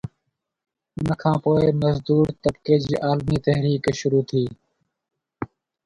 ان کان پوءِ مزدور طبقي جي عالمي تحريڪ شروع ٿي